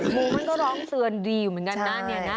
หมูมันก็ร้องเซือนดีเหมือนกันนะเนี่ยนะใช่